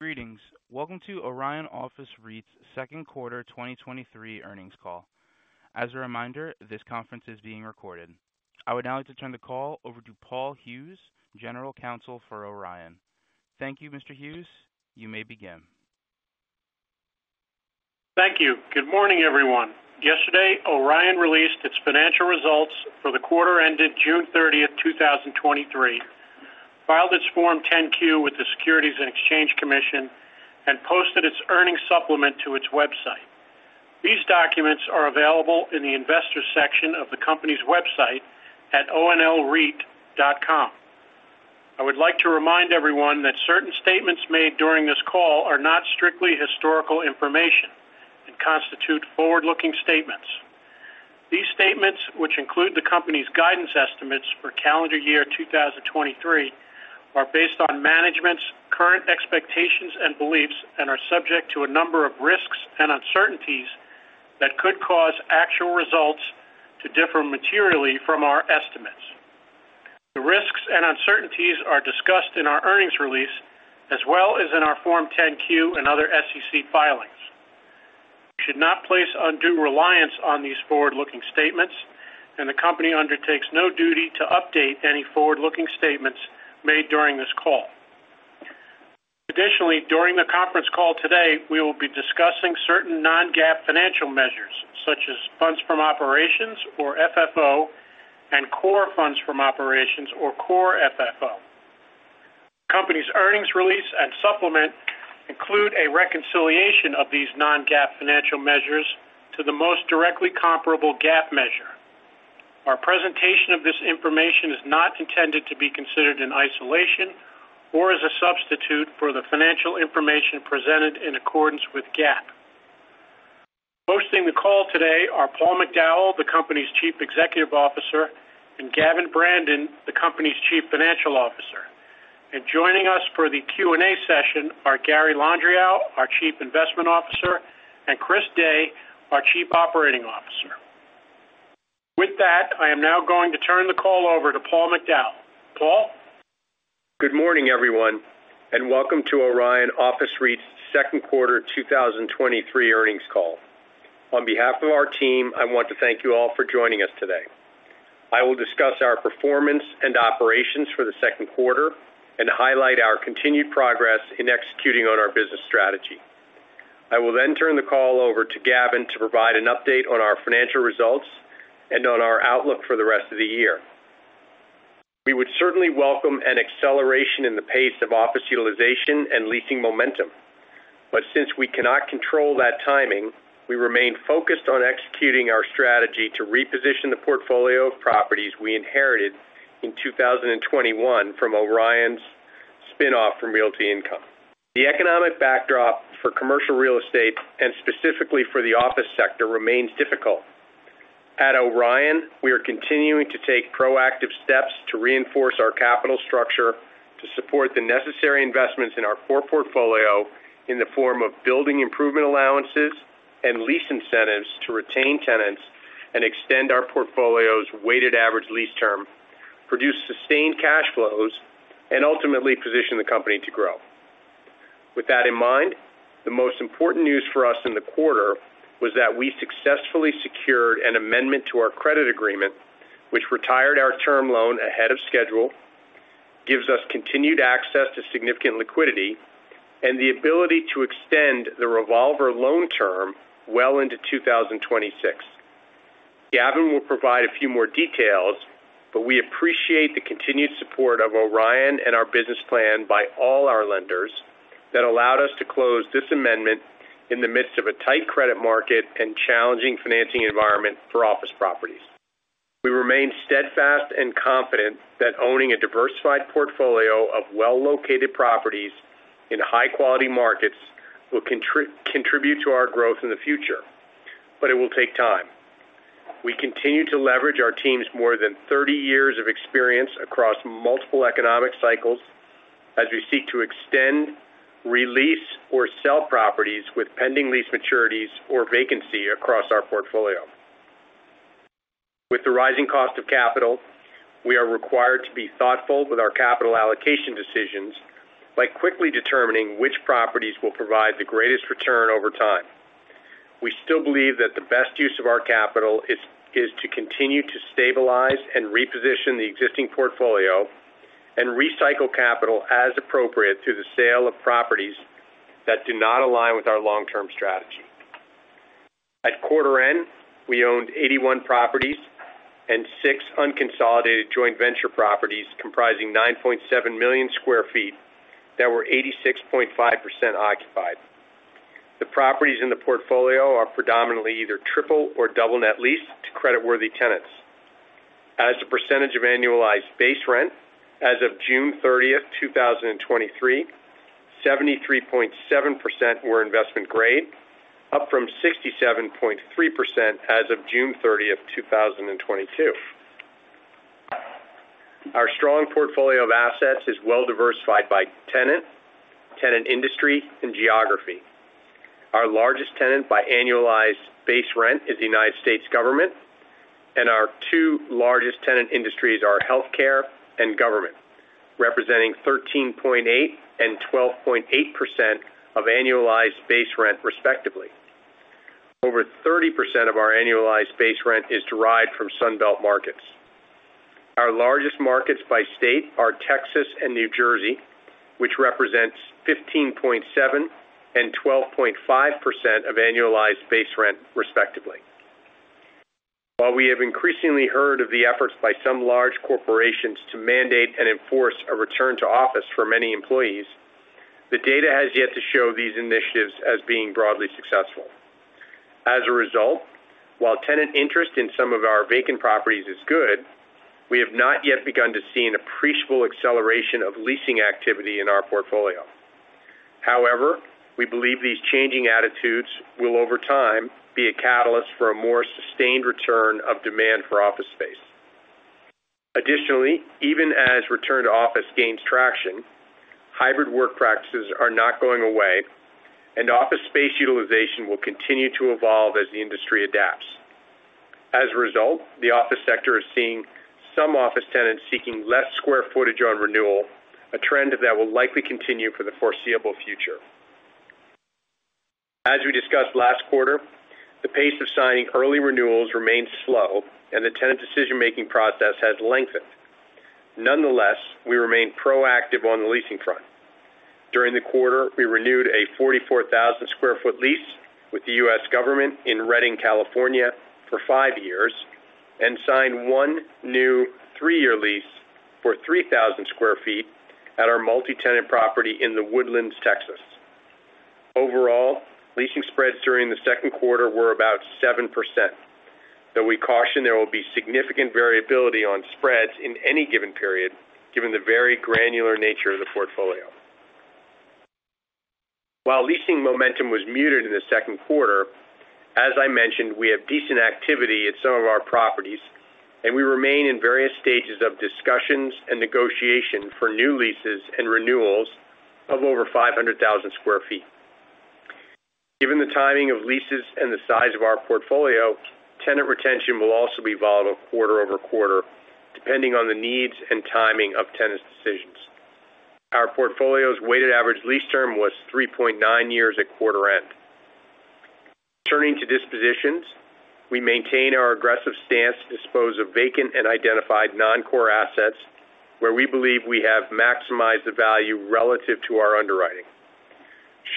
Greetings. Welcome to Orion Office REIT's second quarter 2023 earnings call. As a reminder, this conference is being recorded. I would now like to turn the call over to Paul Hughes, General Counsel for Orion. Thank you, Mr. Hughes. You may begin. Thank you. Good morning, everyone. Yesterday, Orion released its financial results for the quarter ended June 30th, 2023, filed its Form 10-Q with the Securities and Exchange Commission, and posted its earnings supplement to its website. These documents are available in the Investors section of the company's website at onlreit.com. I would like to remind everyone that certain statements made during this call are not strictly historical information and constitute forward-looking statements. These statements, which include the company's guidance estimates for calendar year 2023, are based on management's current expectations and beliefs and are subject to a number of risks and uncertainties that could cause actual results to differ materially from our estimates. The risks and uncertainties are discussed in our earnings release, as well as in our Form 10-Q and other SEC filings. You should not place undue reliance on these forward-looking statements, and the company undertakes no duty to update any forward-looking statements made during this call. Additionally, during the conference call today, we will be discussing certain non-GAAP financial measures, such as funds from operations or FFO, and Core Funds from Operations or Core FFO. Company's earnings release and supplement include a reconciliation of these non-GAAP financial measures to the most directly comparable GAAP measure. Our presentation of this information is not intended to be considered in isolation or as a substitute for the financial information presented in accordance with GAAP. Hosting the call today are Paul McDowell, the company's Chief Executive Officer, and Gavin Brandon, the company's Chief Financial Officer. Joining us for the Q&A session are Gary Landriau, our Chief Investment Officer, and Chris Day, our Chief Operating Officer. With that, I am now going to turn the call over to Paul McDowell. Paul? Good morning, everyone, welcome to Orion Office REIT's second quarter 2023 earnings call. On behalf of our team, I want to thank you all for joining us today. I will discuss our performance and operations for the second quarter and highlight our continued progress in executing on our business strategy. I will turn the call over to Gavin to provide an update on our financial results and on our outlook for the rest of the year. We would certainly welcome an acceleration in the pace of office utilization and leasing momentum, since we cannot control that timing, we remain focused on executing our strategy to reposition the portfolio of properties we inherited in 2021 from Orion's spin-off from Realty Income. The economic backdrop for commercial real estate, specifically for the office sector, remains difficult. At Orion, we are continuing to take proactive steps to reinforce our capital structure to support the necessary investments in our core portfolio in the form of building improvement allowances and lease incentives to retain tenants and extend our portfolio's Weighted Average Lease Term, produce sustained cash flows, and ultimately position the company to grow. With that in mind, the most important news for us in the quarter was that we successfully secured an amendment to our credit agreement, which retired our term loan ahead of schedule, gives us continued access to significant liquidity, and the ability to extend the revolver loan term well into 2026. Gavin will provide a few more details, but we appreciate the continued support of Orion and our business plan by all our lenders that allowed us to close this amendment in the midst of a tight credit market and challenging financing environment for office properties. We remain steadfast and confident that owning a diversified portfolio of well-located properties in high-quality markets will contribute to our growth in the future, but it will take time. We continue to leverage our team's more than 30 years of experience across multiple economic cycles as we seek to extend, re-lease, or sell properties with pending lease maturities or vacancy across our portfolio. With the rising cost of capital, we are required to be thoughtful with our capital allocation decisions by quickly determining which properties will provide the greatest return over time. We still believe that the best use of our capital is to continue to stabilize and reposition the existing portfolio and recycle capital as appropriate, through the sale of properties that do not align with our long-term strategy. At quarter end, we owned 81 properties and six unconsolidated joint venture properties comprising 9.7 million sq ft that were 86.5% occupied. The properties in the portfolio are predominantly either triple or double net lease to creditworthy tenants. As a percentage of Annualized Base Rent as of June 30th, 2023, 73.7% were investment-grade, up from 67.3% as of June 30th, 2022. Our strong portfolio of assets is well diversified by tenant, tenant industry, and geography. Our largest tenant by Annualized Base Rent is the United States government, and our two largest tenant industries are healthcare and government, representing 13.8% and 12.8% of Annualized Base Rent, respectively. Over 30% of our Annualized Base Rent is derived from Sun Belt markets. Our largest markets by state are Texas and New Jersey, which represents 15.7% and 12.5% of Annualized Base Rent, respectively. While we have increasingly heard of the efforts by some large corporations to mandate and enforce a return to office for many employees, the data has yet to show these initiatives as being broadly successful. As a result, while tenant interest in some of our vacant properties is good, we have not yet begun to see an appreciable acceleration of leasing activity in our portfolio. However, we believe these changing attitudes will, over time, be a catalyst for a more sustained return of demand for office space. Additionally, even as return to office gains traction, hybrid work practices are not going away, and office space utilization will continue to evolve as the industry adapts. As a result, the office sector is seeing some office tenants seeking less square footage on renewal, a trend that will likely continue for the foreseeable future. As we discussed last quarter, the pace of signing early renewals remains slow, and the tenant decision-making process has lengthened. Nonetheless, we remain proactive on the leasing front. During the quarter, we renewed a 44,000 sq ft lease with the U.S. government in Redding, California, for five years and signed one new three-year lease for 3,000 sq ft at our multi-tenant property in The Woodlands, Texas. Overall, leasing spreads during the second quarter were about 7%, though we caution there will be significant variability on spreads in any given period, given the very granular nature of the portfolio. While leasing momentum was muted in the second quarter, as I mentioned, we have decent activity at some of our properties, and we remain in various stages of discussions and negotiation for new leases and renewals of over 500,000 sq ft. Given the timing of leases and the size of our portfolio, tenant retention will also evolve quarter-over-quarter, depending on the needs and timing of tenants' decisions. Our portfolio's Weighted Average Lease Term was 3.9 years at quarter end. Turning to dispositions, we maintain our aggressive stance to dispose of vacant and identified non-core assets, where we believe we have maximized the value relative to our underwriting.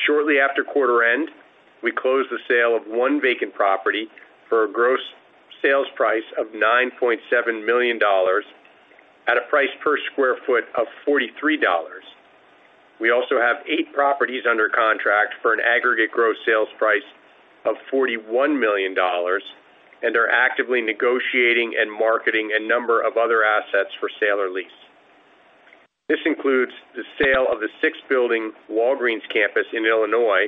Shortly after quarter end, we closed the sale of one vacant property for a gross sales price of $9.7 million at a price per sq ft of $43. We also have eight properties under contract for an aggregate gross sales price of $41 million and are actively negotiating and marketing a number of other assets for sale or lease. This includes the sale of the six-building Walgreens campus in Illinois,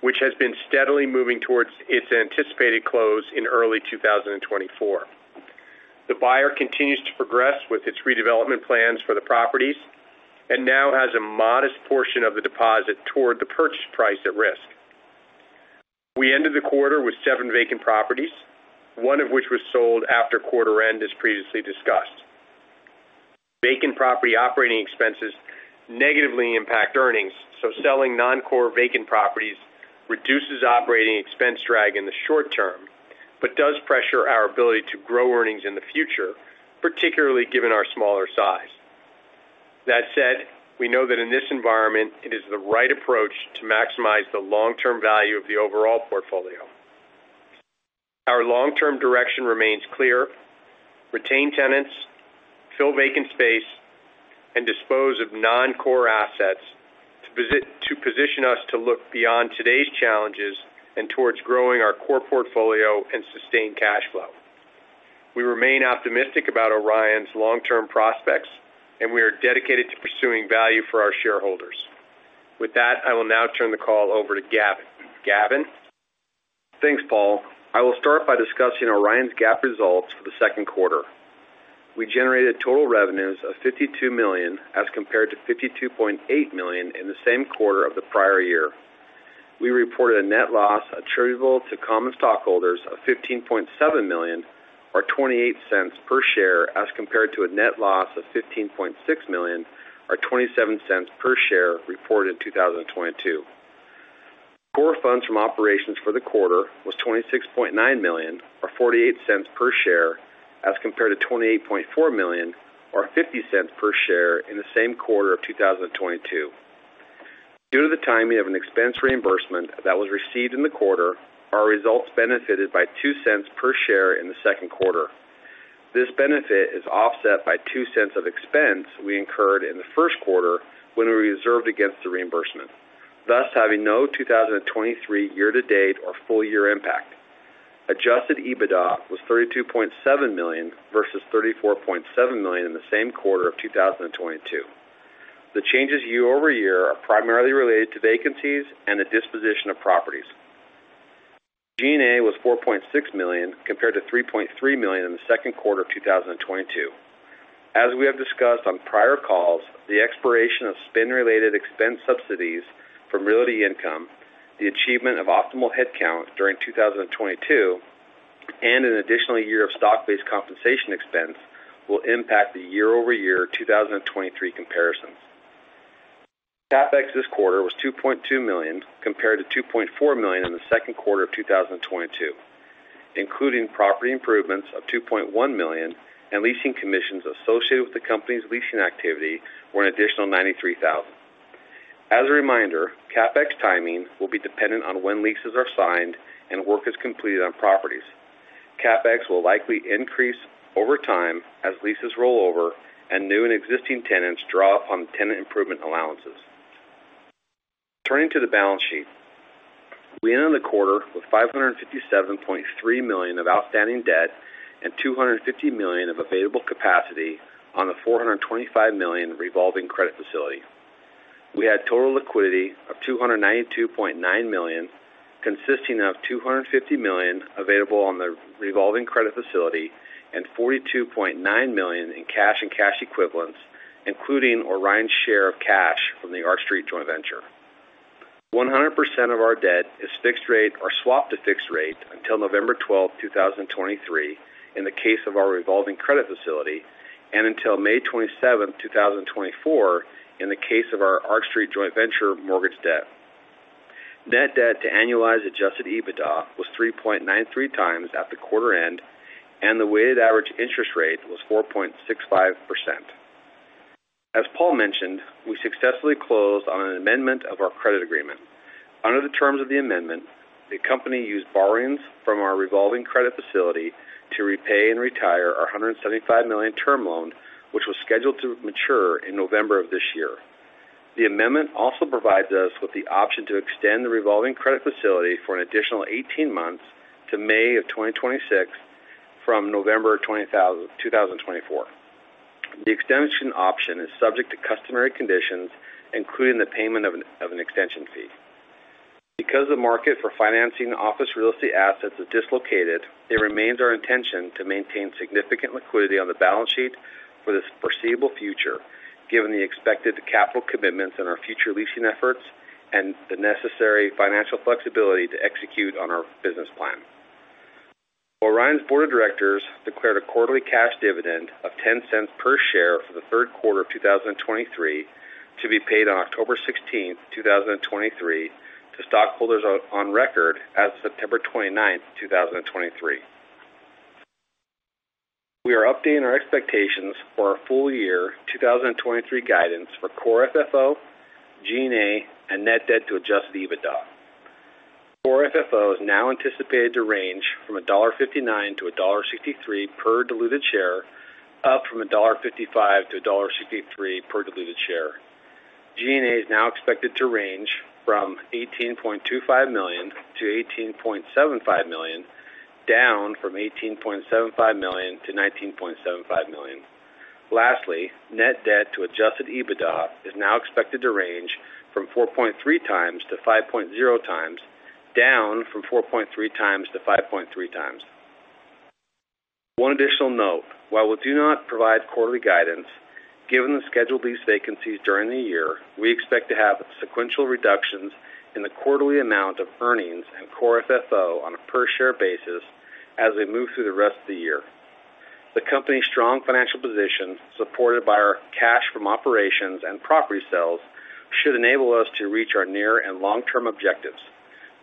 which has been steadily moving towards its anticipated close in early 2024. The buyer continues to progress with its redevelopment plans for the properties and now has a modest portion of the deposit toward the purchase price at risk. We ended the quarter with seven vacant properties, one of which was sold after quarter end, as previously discussed. Vacant property operating expenses negatively impact earnings, so selling non-core vacant properties reduces operating expense drag in the short term, but does pressure our ability to grow earnings in the future, particularly given our smaller size. That said, we know that in this environment, it is the right approach to maximize the long-term value of the overall portfolio. Our long-term direction remains clear: retain tenants, fill vacant space, and dispose of non-core assets to position us to look beyond today's challenges and towards growing our core portfolio and sustained cash flow. We remain optimistic about Orion's long-term prospects, and we are dedicated to pursuing value for our shareholders. With that, I will now turn the call over to Gavin. Gavin? Thanks, Paul. I will start by discussing Orion's GAAP results for the second quarter. We generated total revenues of $52 million, as compared to $52.8 million in the same quarter of the prior year. We reported a net loss attributable to common stockholders of $15.7 million, or $0.28 per share, as compared to a net loss of $15.6 million, or $0.27 per share, reported in 2022. Core Funds from Operations for the quarter was $26.9 million, or $0.48 per share, as compared to $28.4 million, or $0.50 per share, in the same quarter of 2022. Due to the timing of an expense reimbursement that was received in the quarter, our results benefited by $0.02 per share in the second quarter. This benefit is offset by $0.02 of expense we incurred in the first quarter when we reserved against the reimbursement, thus having no 2023 year-to-date or full-year impact. Adjusted EBITDA was $32.7 million versus $34.7 million in the same quarter of 2022. The changes year-over-year are primarily related to vacancies and the disposition of properties. G&A was $4.6 million compared to $3.3 million in the second quarter of 2022. As we have discussed on prior calls, the expiration of spin-related expense subsidies from Realty Income, the achievement of optimal headcount during 2022, and an additional year of stock-based compensation expense will impact the year-over-year 2023 comparisons. CapEx this quarter was $2.2 million, compared to $2.4 million in the second quarter of 2022, including property improvements of $2.1 million, leasing commissions associated with the company's leasing activity were an additional $93,000. As a reminder, CapEx timing will be dependent on when leases are signed and work is completed on properties. CapEx will likely increase over time as leases roll over and new and existing tenants draw on tenant improvement allowances. Turning to the balance sheet. We ended the quarter with $557.3 million of outstanding debt and $250 million of available capacity on the $425 million revolving credit facility. We had total liquidity of $292.9 million, consisting of $250 million available on the revolving credit facility and $42.9 million in cash and cash equivalents, including Orion's share of cash from the Arch Street joint venture. 100% of our debt is fixed rate or swapped to fixed rate until November 12, 2023, in the case of our revolving credit facility, and until May 27, 2024, in the case of our Arch Street joint venture mortgage debt. Net Debt to Annualized Adjusted EBITDA was 3.93x at the quarter end, and the weighted average interest rate was 4.65%. As Paul mentioned, we successfully closed on an amendment of our credit agreement. Under the terms of the amendment, the company used borrowings from our revolving credit facility to repay and retire our $175 million term loan, which was scheduled to mature in November of this year. The amendment also provides us with the option to extend the revolving credit facility for an additional 18 months to May of 2026 from November 2024. The extension option is subject to customary conditions, including the payment of an extension fee. Because the market for financing office real estate assets is dislocated, it remains our intention to maintain significant liquidity on the balance sheet for the foreseeable future, given the expected capital commitments in our future leasing efforts and the necessary financial flexibility to execute on our business plan. Orion's Board of Directors declared a quarterly cash dividend of $0.10 per share for the third quarter of 2023, to be paid on October 16th, 2023, to stockholders on record as of September 29th, 2023. We are updating our expectations for our full year 2023 guidance for Core FFO, G&A and Net Debt to Annualized Adjusted EBITDA. Core FFO is now anticipated to range from $1.59-$1.63 per diluted share, up from $1.55-$1.63 per diluted share. G&A is now expected to range from $18.25 million-$18.75 million, down from $18.75 million-$19.75 million. Lastly, Net Debt to Adjusted EBITDA is now expected to range from 4.3x-5.0x, down from 4.3x-5.3x. One additional note, while we do not provide quarterly guidance, given the scheduled lease vacancies during the year, we expect to have sequential reductions in the quarterly amount of earnings and Core FFO on a per share basis as we move through the rest of the year. The company's strong financial position, supported by our cash from operations and property sales, should enable us to reach our near and long-term objectives.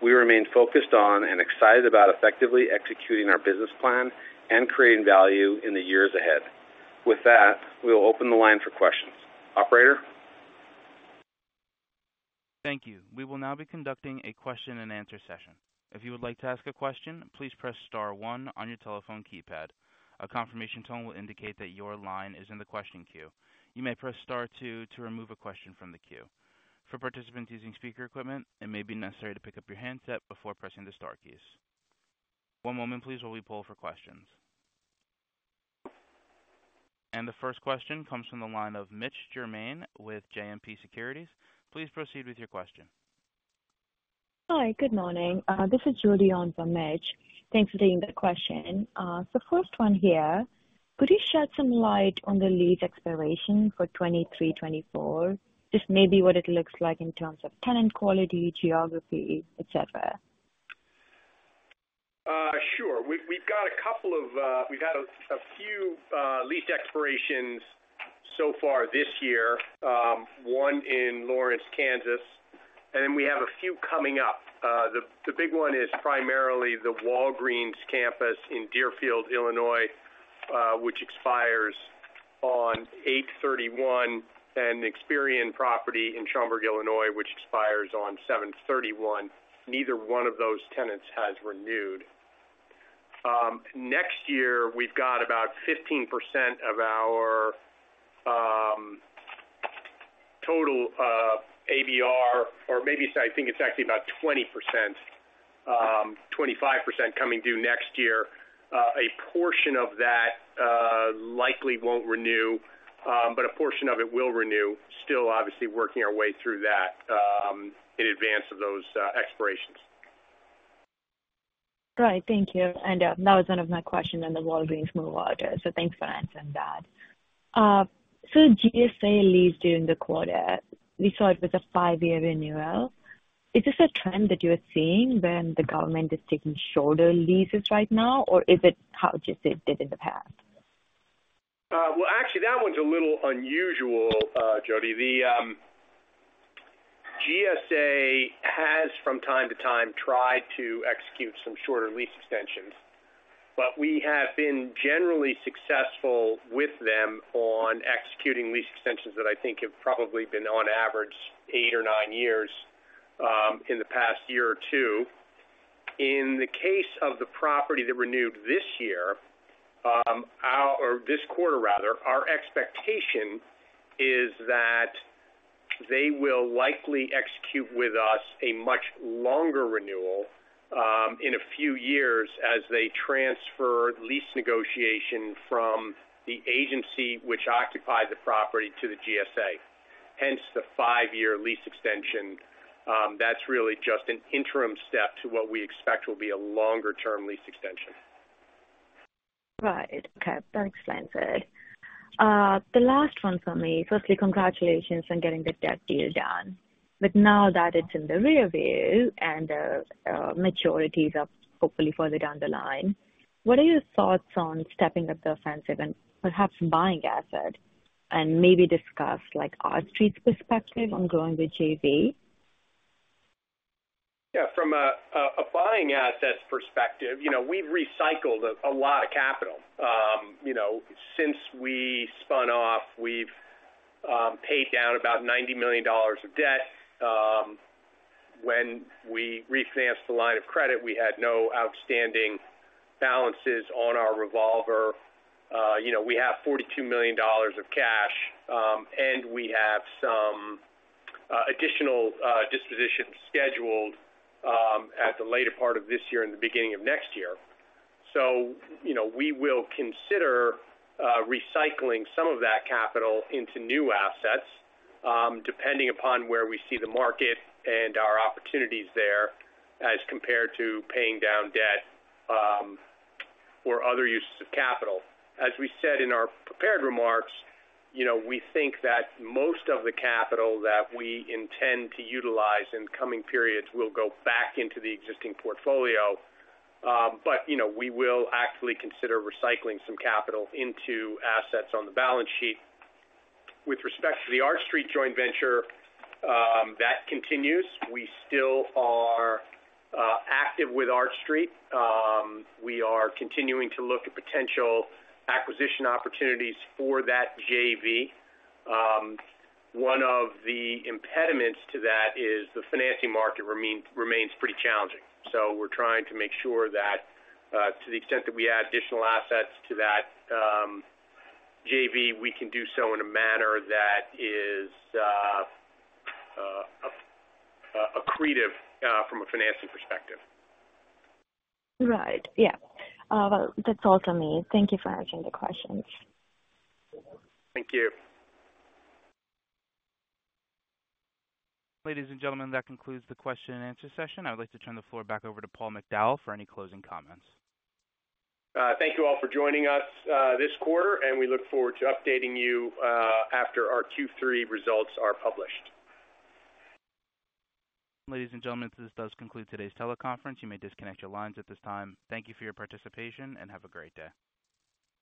We remain focused on and excited about effectively executing our business plan and creating value in the years ahead. With that, we will open the line for questions. Operator? Thank you. We will now be conducting a question and answer session. If you would like to ask a question, please press star one on your telephone keypad. A confirmation tone will indicate that your line is in the question queue. You may press star two to remove a question from the queue. For participants using speaker equipment, it may be necessary to pick up your handset before pressing the star keys. One moment, please, while we pull for questions. The first question comes from the line of Mitch Germain with JMP Securities. Please proceed with your question. Hi, good morning. This is Jyoti on for Mitch. Thanks for taking the question. The first one here, could you shed some light on the lease expiration for 2023, 2024? Just maybe what it looks like in terms of tenant quality, geography, et cetera. Sure. We've, we've got a couple of. We've got a, a few lease expirations so far this year, one in Lawrence, Kansas, we have a few coming up. The, the big one is primarily the Walgreens campus in Deerfield, Illinois, which expires on 8/31, and the Experian property in Schaumburg, Illinois, which expires on 7/31. Neither one of those tenants has renewed. Next year, we've got about 15% of our total ABR, or maybe it's, I think it's actually about 20%, 25% coming due next year. A portion of that likely won't renew, a portion of it will renew. Still, obviously, working our way through that in advance of those expirations. Right. Thank you. That was one of my questions on the Walgreens move out. Thanks for answering that. GSA leased during the quarter, we saw it was a five-year renewal. Is this a trend that you are seeing when the government is taking shorter leases right now, or is it how GSA did in the past? Well, actually, that one's a little unusual, Jyoti. The GSA has from time to time, tried to execute some shorter lease extensions, but we have been generally successful with them on executing lease extensions that I think have probably been, on average, eight or nine years, in the past year or two. In the case of the property that renewed this year, or this quarter rather, our expectation is that they will likely execute with us a much longer renewal, in a few years as they transfer lease negotiation from the agency, which occupied the property to the GSA, hence the five-year lease extension. That's really just an interim step to what we expect will be a longer-term lease extension. Right. Okay, that explains it. The last one for me. Firstly, congratulations on getting the debt deal done, now that it's in the rearview and maturities are hopefully further down the line, what are your thoughts on stepping up the offensive and perhaps buying assets, and maybe discuss, like, Arch Street's perspective on growing the JV? Yeah, from a, a, a buying assets perspective, you know, we've recycled a lot of capital. You know, since we spun off, we've paid down about $90 million of debt. When we refinanced the line of credit, we had no outstanding balances on our revolver. You know, we have $42 million of cash, and we have some additional dispositions scheduled at the later part of this year and the beginning of next year. You know, we will consider recycling some of that capital into new assets, depending upon where we see the market and our opportunities there as compared to paying down debt, or other uses of capital. As we said in our prepared remarks, you know, we think that most of the capital that we intend to utilize in coming periods will go back into the existing portfolio. You know, we will actively consider recycling some capital into assets on the balance sheet. With respect to the Arch Street joint venture, that continues. We still are active with Arch Street. We are continuing to look at potential acquisition opportunities for that JV. One of the impediments to that is the financing market remains pretty challenging, so we're trying to make sure that, to the extent that we add additional assets to that JV, we can do so in a manner that is accretive from a financing perspective. Right. Yeah. Well, that's all from me. Thank you for answering the questions. Thank you. Ladies and gentlemen, that concludes the question and answer session. I'd like to turn the floor back over to Paul McDowell for any closing comments. Thank you all for joining us, this quarter, and we look forward to updating you, after our Q3 results are published. Ladies and gentlemen, this does conclude today's teleconference. You may disconnect your lines at this time. Thank you for your participation, and have a great day.